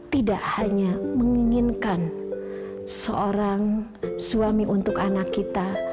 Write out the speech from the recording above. tidak hanya menginginkan seorang suami untuk anak kita